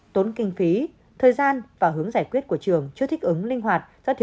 tốn kinh phí thời gian và hướng giải quyết của trường chưa thích ứng linh hoạt